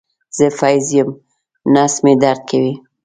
زه قبض یم نس مې درد کوي